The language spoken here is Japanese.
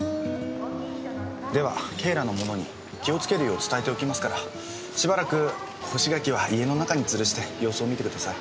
では警らの者に気をつけるよう伝えておきますからしばらく干し柿は家の中につるして様子を見てください。